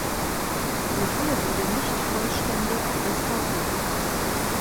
Die Halle wurde nicht vollständig restauriert.